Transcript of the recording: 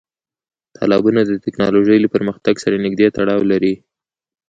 تالابونه د تکنالوژۍ له پرمختګ سره نږدې تړاو لري.